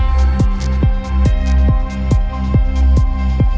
หัวใจให้ผมขอไม่จบ